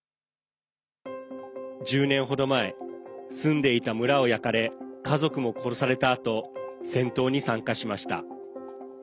１０年程前住んでいた村を焼かれ家族も殺されたあと戦闘に参加しました。